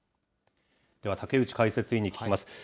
では竹内解説委員に聞きます。